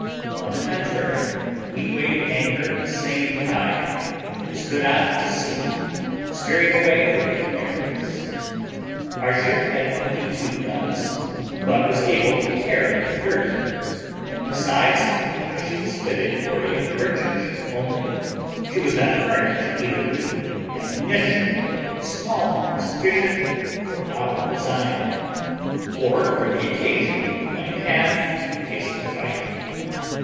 On the contrary, we weighed anchor the same tide, and stood out to sea, steering away for the Canaries. Our ship had twenty two guns, but was able to carry thirty; and besides, as she was fitted out for a merchant ship only, she was not furnished either with ammunition or small arms sufficient for our design, or for the occasion we might have in case of a fight.